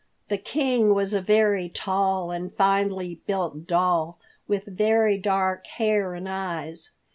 The King was a very tall and finely built doll, with very dark hair and eyes.